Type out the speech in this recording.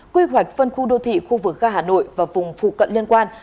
quy hoạch phân khu đô thị khu vực ga hà nội và vùng phụ cận liên quan